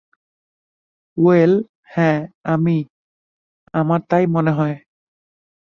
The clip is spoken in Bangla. ওয়েল, হ্যাঁ, আমি - আমার তাই মনে হয়।